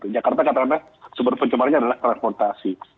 jakarta katanya sumber pencemarannya adalah transportasi